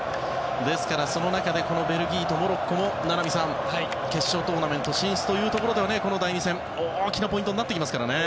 ですから、その中でベルギーとモロッコも名波さん、決勝トーナメント進出というところではこの第２戦、大きなポイントになってきますからね。